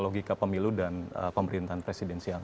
logika pemilu dan pemerintahan presidensial